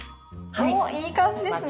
いい感じですね。